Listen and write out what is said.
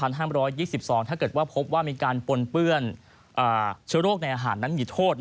ถ้าเกิดว่าพบว่ามีการปนเปื้อนเชื้อโรคในอาหารนั้นมีโทษ